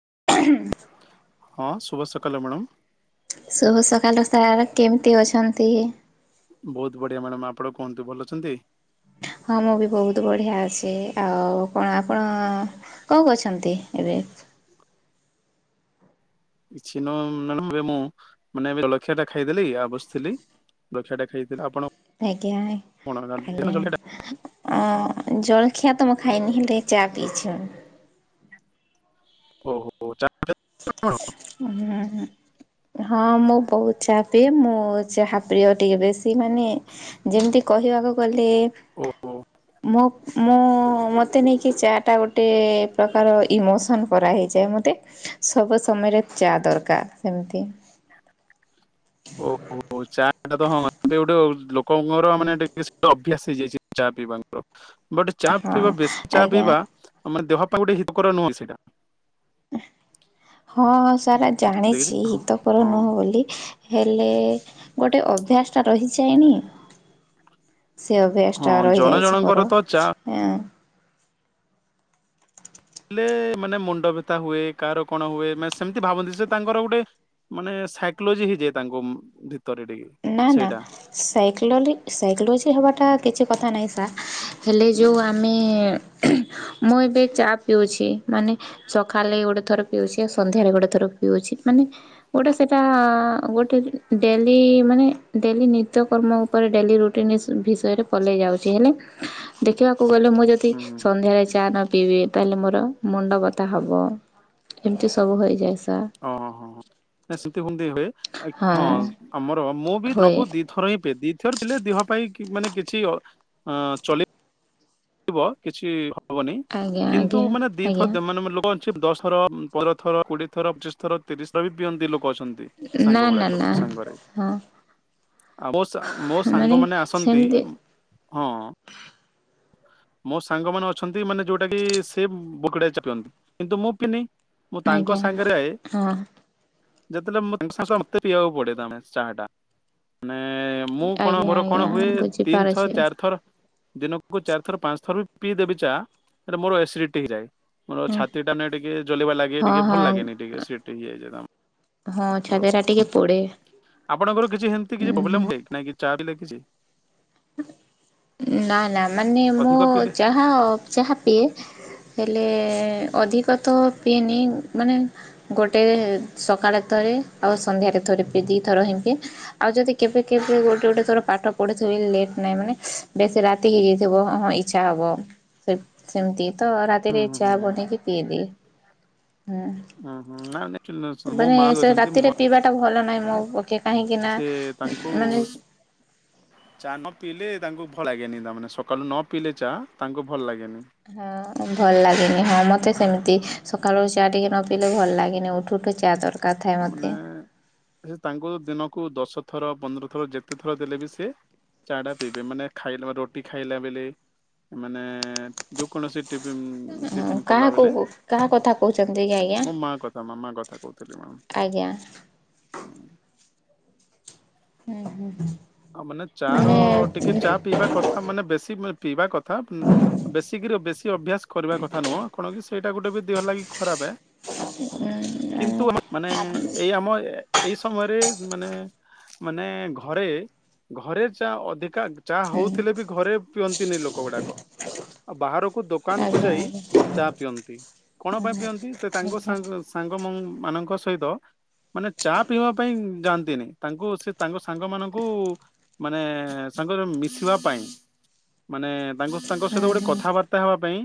[unintelligible] ହଁ ସୁଭାସକଲ ମ୍ୟାଡ଼ମ୍। ଶୁଭ ସକାଳୁ ର ସାରାର କେମତି ଅଛନ୍ତି। ବହୁତ ବଢିଆ ମ୍ୟାଡାମ ଆପଣ କୁହନ୍ତୁ ଭଲ ଅଛନ୍ତି। ହଁ ମୁଁ ବି ବହୁତ ବଢିଆ ଅଛି ଆଉ କଣ ଆପଣ କଣକରୁଚିନ୍ତି ଏବେ। କିଛି ନ ନବେ ମୁଁ ମାନେ ଏ ଲଳଖିଆ ଟା ଖାଇଦେଲି ଆଉ ବସିଥିଲି ଜଲଖିଆ ଟା ଖାଇଥିଲି ଆପଣ। ଆଜ୍ଞା କଣ ଜଳଖିଆ ଟା ଆଜ୍ଞା। ଓ ଜଳଖିଆ ତ ମୁଁ ଖାଇନିି ହେଲେ ଚା ପିଇଛି। ଓହୋ ଚା। କଣ? ହଁ ହଁ ମୁଁ ବହୁତ ଚାହାପିଏ ମୁଁ ଚାହା ପ୍ରିୟ ଟିକେ ବେଶୀ ମାନେ ଯେମିତି କହିବାକୁ ଗଲେ। ଓହୋ ମୋ ମୁଁ ମୋତେ ନେଇକି ଚା ଟା ଗୋଟେ ପ୍ରକାର ଇମୋସନ୍ କରାହଇଯାଏ ମୋତେ ସବୁ ସମୟରେ। ଚା ଦରକାର ସେମିତି। [unintelligible] ଓ ଚାଟା ତ ହଁ ଏ ଗୋଟେ ଲୋକଙ୍କର ମାନେ ଟିକେ ଅଭ୍ୟାସ ହେଇଯାଇଛି ଚା ପିଇବାଙ୍କର। ବଟ୍ ଚା ହଁ ପିଇବା ବେଶୀ ଚା ଆଜ୍ଞା। ପିଇବା ଆମ ଦେହ। ତା ଗୋଟେ ହିତକର ନୁହେଁ ସେଇଟା। ହଁ ସାରା ଜାଣିଛି ହଁ ହିତକର ହଁ ନୁହଁ ବୋଲି। ହେଲେ ଗୋଟେ ଅଭ୍ୟାସ ଟା ରହିଯାଏନି। ସେ ହଁ ଅଭ୍ୟାସ ଜଣ ରହିଯାଇଛି ଜଣଙ୍କର ମୋର। ତ ଚା ହେଲେ ମାନେ ମୁଣ୍ଡ ଭଥା ହୁଏ କାହାର କଣ ହୁଏ ମାନେ ସେମତି ଭାବନ୍ତି ସେ ତାଙ୍କର ଗୋଟେ ମାନେ ସାଇକୋଲୋଜି ହେଇଯାଏ ତାଙ୍କୁ ଭି। ନା ନା ସାଇକ୍ଲୋଲି ସାଇକୋଲଜି ହେବାଟା। କିଛି କଥା ନାହିଁ ସାାର୍। ହେଲେ ହୁଁ ଯେଉଁ ଆମେ। ମୁଁ ଏବେ ଚା ପିଉଛି ମାନେ ସକାଳେ ଗୋଟେ ଥର ପିଉଛି ଆଉ ସନ୍ଧ୍ୟାରେ ଗୋଟେ ଥର ପିଉଛି ମାନେ ଗୋଟେ ସେଇଟା ଗୋଟେ ଡେଲି। ମାନେ ଡେଲି ନିତ୍ୟ କରମ ଉପରେ ଡେଲିରୁଟିନ୍ ବିଷୟରେ ପଲେଇ ଯାଉ ହେ ଦେଖିବା। କୁ ଗଲେ ମୁଁ ଯଦି ହୁଁ ହୁଁ ସନ୍ଧ୍ୟାରେ ଚା ନ ପିଇବି। ତାହେଲେ ମୋର ମୁଣ୍ଡବତା ହେବ ଏମିତି ସବୁ ହୋଇଯାଏ। ସା ଓ ହୋ [unintelligible] ହଁ ଆମର ମୁଁ ବି ହୁଏ ଦିନକୁ ଦି ଥର ହିଁ ପିଏ। ଦି ଥର ପିଲେ ଦେହ ପାଇଁ ମାନେ କିଛି ଚଲେ। ଳିବ କିଛି। ହବନି ଆଜ୍ଞା କିନ୍ତୁ ଆଜ୍ଞା ମାନେ ଦି ଥର ଆଜ୍ଞା ଦେ ମାନେ ମାନେ ଲୋକ। ଦଶଥର ପନ୍ଦର ଥର କୋଡିଏ ଥର ପଚିଶ ଥର ତିରିଶ ଥର ବି ପିଅନ୍ତି ଲୋକ। ଛନ୍ତି ନା ସାଙ୍ଗ ନା ଗୁଡାକ ନା ସାଙ୍ଗରେ ହଁ ଆଉ ମୋ ମୋ ସାଙ୍ଗ ମାନେ ଆସନ୍ତି ହଁ। ମୋ ସାଙ୍ଗ ମାନେ ଅଛନ୍ତି ମାନେ ଯୋଉଟା କି ସେ ବୋକଡା ପିଅନ୍ତି କିନ୍ତୁ ମୁଁ ପିନି। ମୁଁ ତାଙ୍କ ଆଜ୍ଞା ସାଙ୍ଗରେ ଆ। ହଁ ଯେତେବେଳେ ମୁଁ ତାଙ୍କ ସହ ଥାଏ ମତେ ପିଆକୁ ପଡ଼େ ଚାହାଟା। ମାନେ ମୁଁ କଣ ଆଜ୍ଞା ମୋର କଣ ଆଜ୍ଞା ହୁଏ ତିନି ଥର ବୁଝିପାରୁଛି ଚାରିଥର। ଦିନ କୁ ଚାରି ଥର ପାଞ୍ଚ ଥର ବି ପିଇ ଦେବି ଚା ହେଲେ ମୋର ଏସିଡିଟି ହେଇଯାଏ। ମୋର ଛାତି ଟା ମାନେ ଟିକେ ଜଲିବା ଲାଗେ ହଁ ଟିକେ ଭଲ ହଁ ଲାଗେନି ଟିକେ ଏସିଡିଟୀ ହେଇଯାଇଏ ହଁ ମୋର। ଛାତଟା ଟିକେ ପୋଡ଼େ ଆପଣଙ୍କର କିଛି ଯେମିତି କିଛି ହୁଁ ହୁଁ ପ୍ରୋବ୍ଲେମ୍ ହୁଏ ନା କି? ଚା ବି ଲାଗିଛି। ନା ହେଲା ମାନେ ମୁଁ ଅଧିକ ପିଇଲେ ଚାହା ଚାହା ପିଏ ହେଲେ। ଅଧିକ ତ ପିଏନି ମାନେ ଗୋଟେ ସକାଳେ ଥରେ ଆଉ ସନ୍ଧ୍ୟାରେ ଥରେ ପିଏ ଦୁଇଥର ହିଁ ପିଏ ଆଉ ଯଦି କେବେ କେବେ ଗୋଟେ ଗୋଟେ ଥର ପାଠ ପଢ଼ିଥିବି ଲେଟ୍। ନାଇଁ ମାନେ ବେଶୀ ରାତି ହେଇ ଯାଇଥିବ ହଁ ଇଚ୍ଛା ହବ ସେମ ସେମିତି। ତ ହୁଁ ରାତିରେ ହୁଁ ଚା ହୁଁ। ବନେଇକି ପିଇଦିଏ ହୁଁ ହୁଁ ହୁଁ ନା ମୋ ମାନେ ମା ବି ସେ ଅଛନ୍ତି ରାତିରେ ମୋ ପିଇବା ଟା ଭଲ ନା। ନାଇଁ ମୋ କାହିଁକି ନା ସେ ମାନେ। ତାଙ୍କୁ ଚା ନ ପିଇଲେ ତାଙ୍କୁ ଭଲ ଲାଗେନି ତାମାନେ ସକାଳୁ ନ ପିିଲେ ଚା ତାଙ୍କୁ ଭଲ ଲାଗେନି। ହଁ ଭଲ ଲାଗେନି ହଁ ମତେ ସେମିତି ସ ସକାଳୁ ଚା ଟିକେ ନ ପଇଲେ ଭଲ ଲାଗେନି ଉଠୁ ଉଠୁ ଚା ଦରକାର। ଥାଏ ମତେ। ମାନେ ସେ ତାଙ୍କ ଦିନକୁ ଦଶ। ଥର ପନ୍ଦର ଥର ଯେତେ ଥର ଦେଲେ ବି ସେ ଚା ଟା ପିଇବେ ମାନେ ଖାଇଲା ରୁଟି ଖାଇଲା ଵେଲେ ମାନେ ଯେକୌଣସି। ଟି ଟିଫନ୍ କଲା କାହାକୁ ବେଲେ କାହା କଥା କହୁଛନ୍ତି କି ଆଜ୍ଞା ମୋ ମା କଥା ମୋ ମା କଥା କହୁଥିଲି ମ୍ୟାମ। ଆଜ୍ଞା ହୁଁ ହୁଁ ଆଉ ମାନେ ଚା ର ଟିକେ ଚା ପିଇବା କଥା ମାନେ ବେଶୀ ପିଇବା କଥା। ବେଶୀକରି ବେଶୀ ଅଭ୍ୟାସ କରିବା କଥା ନୁହଁ କଣ କି ସେଇଟା ଗୋଟେ ବି ଦେହ ଲାଗି ଖରାପ। ହୁଁ କିନ୍ତୁ ମାନେ ଆଜ୍ଞା ଆଜ୍ଞା। ଏଇ ଆମ ଏଇ ସମୟରେ ମାନେ ମାନେ ଘରେ ଘରେ ଯା ଅଧିକ ଚା ହଉଥିଲେ ବି ଘରେ ପିଅନ୍ତିନି ଲୋକ ଗୁଡାକ ଆଉ ବାହାରକୁ ଦୋକାନ କୁ ଆଜ୍ଞା ଯାଇ ହୁଁ ହୁଁ ଆଜ୍ଞା ଚା ପିଅନ୍ତି କଣ ପାଇଁ ପିଅନ୍ତି ସେ ତାଙ୍କ ସାଙ୍ଗ ସାଙ୍ଗ। ମାନଙ୍କ ସହିତ ମାନେ ଚା ପିଇବା ପାଇଁ ଯାଆନ୍ତିନି ତାଙ୍କୁ ସେ ତାଙ୍କ ସାଙ୍ଗ ମାନଙ୍କୁ। ମାନେ ସାଙ୍ଗ ମିଶିବା ପାଇଁ ମାନେ ତା ତାଙ୍କ ସହିତ ଗୋଟେ କଥାବାର୍ତ୍ତା ହେବା ପାଇଁ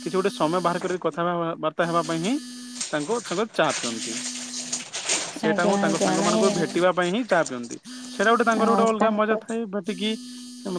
କିଛି ଗୋଟେ ସମୟ ବାହାର କରିକି କଥାବାର୍ତ୍ତା ହେବା ପାଇଁ ହିଁ ତାଙ୍କ ସଙ୍ଗେ ଚା ପିଅନ୍ତି। ସେଇଟା ହ ତାଙ୍କ ଆଜ୍ଞା ମାନେ ସାଙ୍ଗମାନାନଙ୍କୁ ଭେଟିବା ପାଇଁ ହିଁ ଚାହା ପିଅନ୍ତି ସେଇଟା ଗୋଟେ ତାଙ୍କର ହଁ ଗୋଟେ। ପା ତାଙ୍କ ମଜା ଥାଏ ବାଟିକି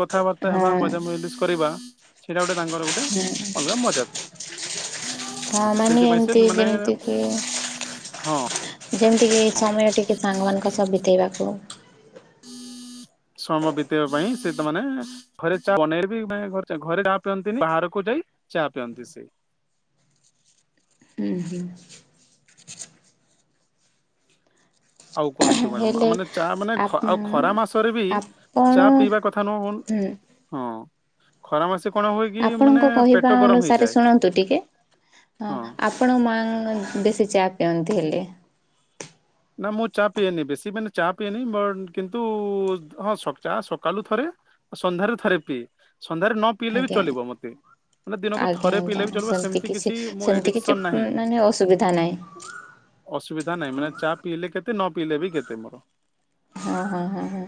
କଥାବାର୍ତ୍ତା ହେବା ହଁ ମଜା ମଜଲିସ କରିବା। ସେଇଟା ଗୋଟେ ତାଙ୍କର ଗୋଟେ ଅଲଗା ମଜା ହଁ ମାନେ ସେଥିପାଇଁ ସେ ଏମିତି ମାନେ ଯେମିତି କି ହଁ। ଯେମିତିକି ଏଇ ସମୟ ଟିକେ ସାଙ୍ଗମାନଙ୍କ ସହ ବିତେଇବା। ଆ ସମୟ ବିତେଇବା ପାଇଁ ସେ ତାମାନୋନ ଘରେ ଚା ବନେଇବିାନ ଘରେ ଚାହା ପିଅନ୍ତିନି ବାହାରକୁ ଯାଇ ଚା ପିଅନ୍ତି ସେ ଆଉ କୁହନ୍ତୁ ମ୍ୟାଡାମ ଆ ହେଲେ ମାନେ ଚା ମାନେ ଆପ ଆଉ ଖରା ମାସରେ ବି ଆପଣ ଚା ପିଇବା କଥା ନୁହ ହୁଁ ହଁ। ଖରା ମାସ। ଆପଣଙ୍କ କହିବା ଅନୁସାରେ ଶୁଣନ୍ତୁ ଟିକେ ହଁ। ଆପଣ ମାଆ ବେଶୀ ଚା ପିଅନ୍ତି। ହେଲେ। ନା ମୁଁ ଚା ପିଏନି ବେଶୀ ମାନେ ଚା ପିଏନି ବଟ କିନ୍ତୁ ହଁ ଚା ସକାଳୁ ଥରେ ସନ୍ଧ୍ୟାରେ ଥରେ ପିଏ। ସନ୍ଧ୍ୟାରେ ନ ପିଇଲେ ବି ଆଜ୍ଞା ଚଲିବ ମତେ ମାନେ ଦିନକୁ ଆଜ୍ଞା ଥରେ ଆଜ୍ଞା ପିଇଲେ ବି ଚଲିବ ସେମିତି ସେମତି କିଛି ସେମିତି କିଛି କିଛିଡିକସନ ନାହିଁ ମାନେ ଅସୁବିଧା ନାହିଁ ଅସବିଧା ନାଁ ମାନ ଚା ପିଇଲେ କେତେ ନ ପିଇଲେ ବି କେତେ ମୋର ହଁ ହଁ ହଁ ହଁ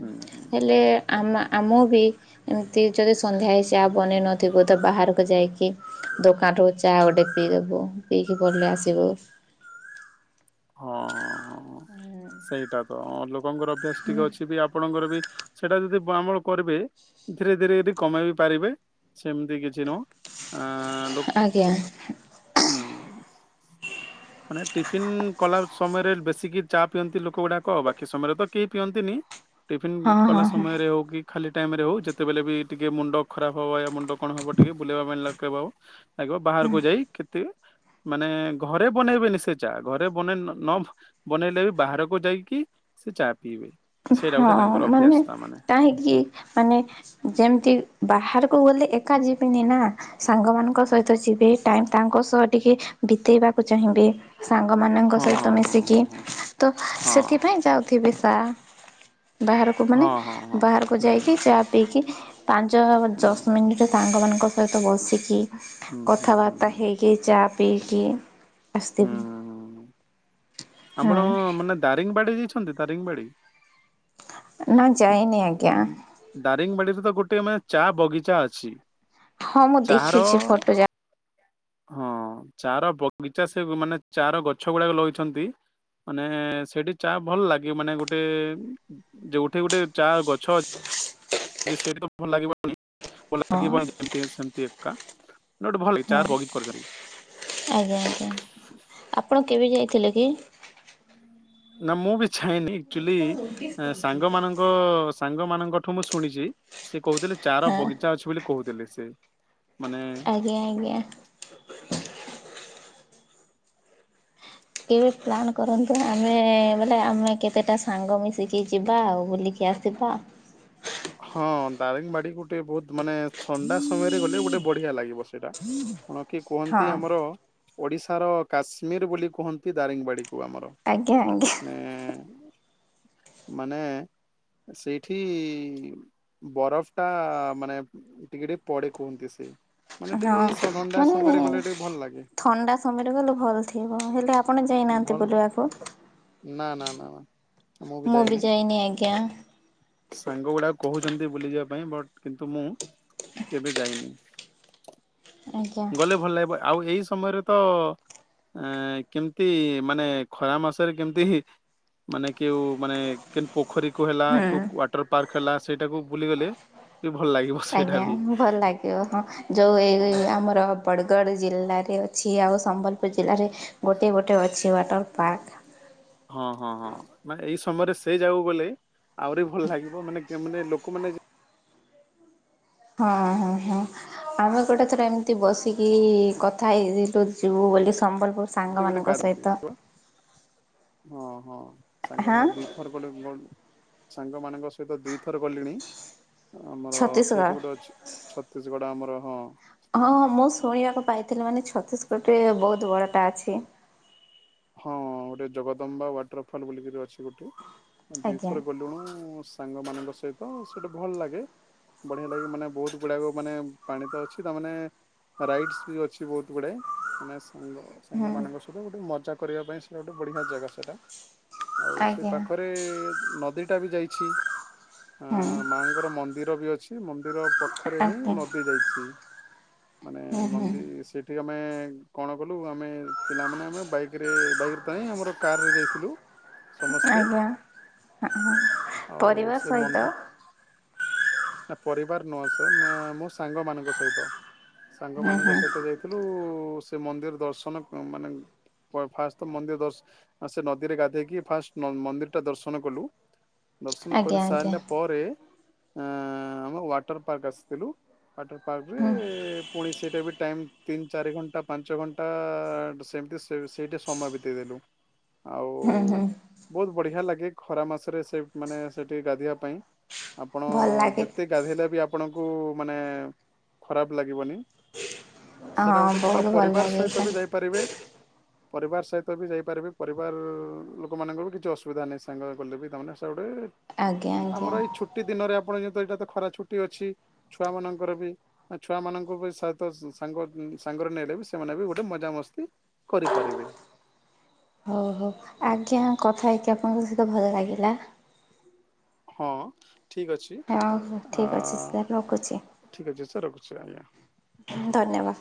ହୁଁ ହୁଁ ହେଲେ ଆମ ଆମ ବି ଏମିତି ଯଦି ସନ୍ଧ୍ୟା ହେ ଚା ବନେଇ ନଥିବୁ ତ ବାହାରକୁ ଯାଇକି ଦୋକାନରୁ ଚା ଗୋଟେ ପିଇଦବୁ ପିଇକି ଭଲ ଆସିବ। ହଁ ହଁ। ହଁ ସେଇ ତମ ଲୋକ ଆପଣଙ୍କର ଅଭ୍ୟାସ ଟିକେ ଅଛି ବି ଆପଣଙ୍କର ବି ସେଇଟା ଯଦି ଆମଳ କରିବେ ଧୀରେ ଧୀରେଦି କମେଇ ବିି ପାରିବେ ସେମିତି କିଛି ନୁହଁ ଆ ଆ ଲ ଆଜ୍ଞା ହୁଁ। ମାନେ ଟିଫିନ କଲା ସମୟରେ ବେଶୀକି ଚା ପିଅନ୍ତି ଲୋକ ଗୁଡାକ ବାକି ସମୟରେ ତ କେହି ପିଅନ୍ତିନି। ଟିଫନ୍ ହଁ କଲା ହଁ ହଁ ସମୟରେ ହଉ କି ଖାଲି ଟାଇମ ରେ ହଉ ଯେତେବେଳେ ବି ଟିକେ ମୁଣ୍ଡ ଖରାପ ହବ ମୁଣ୍ଡ କଣ ହବ ଟିକେ ବୁଲେଇବା ପାଇଁ ଲ ଆଉ ଲିବ ବାହାରକୁ ଯାଇ କେତେ ମାନେ ଘରେ ବନେଇବେନି ସେ ଚା ଘରେ ଘ ବନେଇ ନ ବନେଇଲେ ବି ବାହାରକୁ ଯାଇକି ସେ ଚା ପିଇବେ। ସେଇଟା ହଁ ଗୋଟେ ତାଙ୍କର ମାନେ ଅଭ୍ୟାସ ତା କାହିଁକି ମାନେ ଯେମିତି ବାହାରକୁ ଗଲେ ଏକା ଯିବେନି ନା ସାଙ୍ଗମାନଙ୍କ ସହିତ ଯିବେ ଟାଇମ୍ ତାଙ୍କ ସହ ଟିକେ ବିତେଇବାକୁ ଚାହିଁବେ। ସାଙ୍ଗମାନଙ୍କ ହଁ ହଁ ସହିତ ମିଶିକି ହଁ ହଁ ତ ହଁ ସେଥିପାଇଁ ଯାଉଥିବେ। ତା ବାହାରକୁ ମାନେ ହଁ ହଁ ବାହାରକୁ ହଁ ଯାଇକି ଚା ପିଇକି ପାଞ୍ଚ ହଁ। ଦଶ ମିନିଟରେ ସାଙ୍ଗ ମାନଙ୍କ ହଏତ ବସିକି ହୁଁ ହୁଁ ହୁଁ କଥାବାର୍ତ୍ତା ହୁଁ ହୁଁ ହୁଁ ହେଇକି ଯା ପିକ୍ଷି ଆସତିବ ହୁଁ ହୁଁ ହୁଁ। ଆପଣ ମାନେ ଦାରିଙ୍ଗ ବାଡି ଯ ଛନ୍ତି ତାରିଙ୍ଗବାଡ଼ି ନା ଯାଇନି ଆଜ୍ଞା। ଦାରିଙ୍ଗବାଡିରେ ତ ଗୋଟେ ମାନେ ଚା ବଗିଚା ଅଛି। ହଁ ମୁଁ ଚାହାର ଦେଖିଛି ଫଟୋ ଯା ହଁ ଚାର ବଗିଚା ସେ ମାନେ ଚାର ଗଛ ଗୁଡାକ ଲଗଛନ୍ତି। ମାନେ ସେଇଠି ଚା ଭଲ ଲାଗେ ମାନେ ଗୋଟେ ଯୋଉଠି ଗୋଟେ ଚା ଗଛ ଅଛି ସେଇଠି ତ ଭଲ ଲାଗିବନି ହଁ ଲାଗିବନି ଯେମତି ସେମତି ଏକା ଗୋଟେ ଭଲ ହଁ ଚା ବଗିଚା କରିଛନ୍ତି। ଆଜ୍ଞା ଆଜ୍ଞା ଆପଣ କେବେ ଯାଇ ଥିଲେ କି ନା ମୁଁ ବି ଛାଇନି ଆଚୁଆଲି ସାଙ୍ଗ ମାନଙ୍କ ସାଙ୍ଗ ମାନଙ୍କ ଠୁ ମୁଁ ଶୁଣିଛି ସେ କହୁଥିଲେ ଚାର ହଁ ବଗିଚା ଅଛି ବୋଲି କହୁଦଥିଲେ ସେ। ମାନେ ଆଜ୍ଞା ଆଜ୍ଞା। କେବେ ପ୍ଲାନ୍ କରନ୍ତୁ ଆମେ ବୋଲେ ଆମେ କେତେଟା ସାଙ୍ଗ ମିଶିକି ଯିବା ଆଉ ବୁଲିକି ଆସିବା। ହଁ ଦାରିଙ୍ଗବାଡି ଗୋଟେ ବହୁତ ମାନେ ଥଣ୍ଡା ସମୟରେ ଗଲେ ଗୋଟେ ବଢିଆ ଲାଗିବ ସେଇଟା। କଣ କିଏ ହଁ। କୁହନ୍ତି ଆମର। ଓଡ଼ିଶାର କାଶ୍ମୀର ବୋଲି କୁହନ୍ତି ଦାରିଙ୍ଗବାଡ଼ିକୁ। ଆମର ଆଜ୍ଞା ଆଜ୍ଞା। ମାନେ। ମାନେ ସେଇଠି ବରଫ ଟା ମାନେ ଟିକେ ଟିକେ ପଡେ କୁହନ୍ତି ସେ। ମାନେ ହଁ ଟିକେ ଏଇ ଥଣ୍ଡା ମାନେ ସମୟରେ ଗଲେ ଟିକେ ଭଲ ଲାଗେ ଥଣ୍ଡା ସମୟରେ ଗଲେ ଭଲ୍ ଥିବ ହେଲେ ଆପଣ ଯାଇନାହାନ୍ତି ଭଲ ବୁଲିବାକୁା ନା ନା ନା ନା। ମୁଁ ବି ଯାଇନି ସାଙ୍ଗ ଗୁଡାକ କହୁଛନ୍ତି ବୁଲିଯିବା ପାଇଁ ବଟ୍ କିନ୍ତୁ ମୁଁ କେବେ ଯାଇନି। ଆଜ୍ଞା। ଗଲେ ଭଲ ଲାଗିବ ଆଉ ଏଇ ସ ସମୟରେ ତ ଏଁ କେମିତି ମାନେ ଖରା ମାସରେ କେମିତି ମାନେ କେଉ ମାନେ କେନ୍ ପୋକ। ପୋଖରୀ ହେଲା ହୁଁ। କି ୱାଟର ପାର୍କ ହେଲା ସେଇଟାକୁ ବୁଲିଗଲେ। ବି ଭଲ ଲାଗିବ ସେଇଟା ଆଜ୍ଞା ବି ଭଲ ଲାଗିବ ହଁ ଯୋଉ ଏଇ ଆମର। ବଡ଼ଗଡ଼ ଜିଲ୍ଲାରେ ଅଛି ଆଉ ସମ୍ବଲପୁର୍ ଜିଲ୍ଲା ଜିଲ୍ଲାରେ ଗୋଟଏ ଗୋଟେ ଅଛି। ଅଛି ୱାଟର ପାର୍କ। ହଁ ହଁ ହଁ ମାନେ ଏଇ ସମୟରେ ସେ ଯାଉ ଗଲେ ଆହୁରି ଭଲ ଲାଗିବ ମାନେ ମାନେ ଲୋକମାନେ ହଁ ହଁ ହଁ ଆମେ ଗୋଟେ ଥର ଏମିତି ବସିକି କଥା ହେଇଥିଲୁ ଯିବୁ ବୋଲି ସମ୍ବଲପୁର ମୋ ସାଙ୍ଗ ଗଲେ ମାନଙ୍କ ଗାଧାନ୍ତି ସହିତ। ହଁ ହଁ। ହାଁ ସାଙ୍ଗମାନେ ଦିଥର ଗଲେ ଗ ସାଙ୍ଗମାନାନଙ୍କ ସହିତ ଦୁଇଥର ଗଲିଣି। ଆମର ଛତିଶଗଡ଼। ସେଇଠି ଗୋଟେ ଅଛି ଛତିଶଗଡ ଆମର। ହଁ ହଁ ହଁ ମୁଁ ଶୁଣିବାକୁ ପାଇଥିଲି ମାନେ ଛତିଶଗଡ଼ ଗୋଟେ ବହୁତ ବଡଟା ଅଛି। ହଁ ଗୋଟେ ଜଗଦମ୍ବା ୱାଟର ଫଲ ବୋଲିକରି ଅଛି ଗୋଟେ ଆଜ୍ଞା ଦିଥର ଗଲୁଣୁ ସେ ସାଙ୍ଗ ମାନଙ୍କ ସହିତ ସେଇଟା ଭଲ ଲାଗେ ବଢିଆ ଲାଗେ ମାନେ ବହୁତ ଗୁଡାକ ମାନେ ପାଣି ତ ଅଛି ତାମାନେ ରାଇଟସ୍ ବି ଅଛି ବହୁତ ଗୁଡାଏ ତା ମାନେ ସାଙ୍ଗ ହୁଁ ସାଙ୍ଗ ମାନଙ୍କ ସହିତ ଗୋଟେ ମଜ୍ କରିବା ପାଇଁ ସେଟ ଗୋଟେ ବଢିଆ ଜାଗା ସେଇଟା। ଆଉ ସେ ଆଜ୍ଞା ପାଖରେ ନଦୀ ଟା ବି ଯାଇଛି ହୁଁ ହଁ ମାଙ୍ଗର ମ ମନ୍ଦିର ବି ଅଛି ମନ୍ଦିର ପଖରେ ହିଁ ଆଜ୍ଞା ନଦୀ ଯାଇଛି। ମାନେ ନନ୍ଦୀ ସେଠି ଆମେ କଣ କଲୁ ଆମେ ପିଲାମାନେ ଆମେ ବାଇକ୍ ବାଇକ ଆମର କାରରେ ଯାଇଥିଲୁ ସମସ୍ତେ। ଆଜ୍ଞା। ହଁ ହଁ ଆଉ ପରିବାର ସେ ସହିତ ମନ୍ଦିର ନା ପରିବାର ନୁହ ସ ମୋ ସାଙ୍ଗ ମାନଙ୍କ ସହିତ ସାଙ୍ଗମାନାନଙ୍କ ସହିତ ଯାଇଥିଲୁ ସେ ମନ୍ଦିର ଦର୍ଶନ ମାନେ ଫାଷ୍ଟ ତ ମନ୍ଦିର ଦ ସେ ନଦୀରେ ଗାଧେଇକି ଫାଷ୍ଟ ମନ୍ଦିର ଟା ଦର୍ଶନ କଲୁ ଦର୍ଶନ ଆଜ୍ଞା କରି ଆଜ୍ଞା ସାରିଲା ପରେ ଅ ଆମ ୱାଟର ପାର୍କ ଆସିଥିଲୁ ୱାଟର ପାର୍କରେ ହୁଁ ପୁଣି ସେଇଟା ବି ଟାଇମ ତିନି ଚାରି ଘଣ୍ଟା ପାଞ୍ଚ ଘଣ୍ଟା ସେମିତି ସେଇଠା ସମୟ ବିତେଇଦଲୁ ଆଉ ହୁଁ ହୁଁ ବହୁତ ବଢିଆ ଲାଗେ ଖରା ମାସରେ ସେ ମାନେ ସେଠି ଗାଧୋଇବା ପାଇଁ ଆପଣ ଭଲ ଲାଗେ। ଯେତେ ଗାଧୋଇଲେ ବି ଆପଣଙ୍କୁ ମାନେ ଖରାପ ଲାଗିବନି ସେଟା ହଁ ଗୋଟେ ବହୁତ ଆଉ ଭଲ ପରିବାର ଲାଗେ ସହିତ ବି ଯାଇପାରିବେ। ପରିବାର ସହିତ ବି ଯାଇପାରିବି ପରିବାର ଲୋକ ମାନଙ୍କର ବି କିଛି ଅସୁବିଧା ନାହିଁ ସାଙ୍ଗ ଗଲେ ବି ତାମାନେ ସେ ଗଟେ ଆଜ୍ଞା ଆମର ଆଜ୍ଞା। ଏଇ ଛୁଟି ଦିନରେ ଆପଣ ଯେେ ଏଇଟା ତ ଖରା ଛୁଟି ଅଛି ଛୁଆ ମାନଙ୍କର ବି ଛୁଆ ମାନଙ୍କଙ୍କୁ ବି ସତ ସାଙ୍ଗ ସାଙ୍ଗରେ ନେଲେ ବି ସେମାନେ ବି ଗୋଟେ ମଜାମସ୍ତି କରିପାରିବେ ଓହୋ ଆଜ୍ଞା କଥା ହେଇକି ଆପଣଙ୍କ ସହିତ ଭଲ ଲାଗିଲା। ହଁ ଠିକ ଅଛି ହଉ ହଉ ଆ ଠିକ୍ ଅଛି ସାର୍ ରଖୁଛି। ଆ ଧନ୍ୟବାଦ